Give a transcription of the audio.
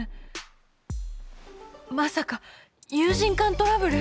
まさか友人間トラブル！？